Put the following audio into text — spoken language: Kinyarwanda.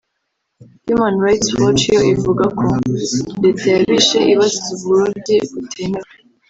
Human Rights Watch yo ivuga ko Leta yabishe ibaziza uburobyi butemewe